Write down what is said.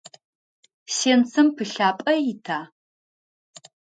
Сенцэм пылъапӏэ ита?